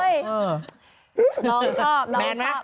น้องชอบน้องชอบ